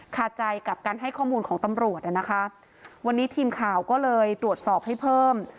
ขาดใจกับการให้ข้อมูลของตำรวจอ่ะนะคะวันนี้ทีมข่าวก็เลยตรวจสอบให้เพิ่ม